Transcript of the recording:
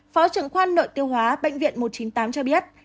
phó trưởng khoa nội tiêu hóa bệnh viện một trăm chín mươi tám cho biết